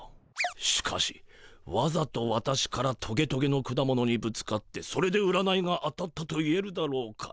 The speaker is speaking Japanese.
しかしわざと私からトゲトゲの果物にぶつかってそれで占いが当たったといえるだろうか。